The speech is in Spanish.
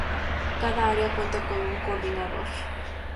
Cada área cuenta con un Coordinador.